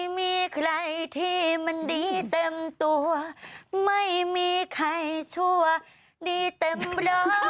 ไม่มีใครที่มันดีเต็มตัวไม่มีใครชั่วดีเต็มร้อย